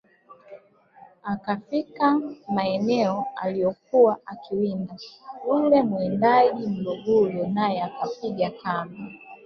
akafika maeneo aliyokuwa akiwinda yule muwindaji Mlugulu nae akapiga kambi